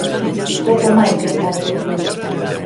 Pouco máis que engadir.